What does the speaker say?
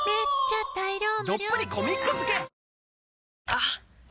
あっ！